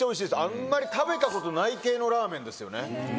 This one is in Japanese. あんまり食べたことない系のラーメンですよね。